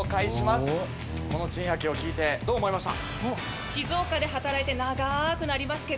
この珍百景を聞いてどう思いました？